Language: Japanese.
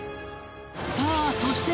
さあそして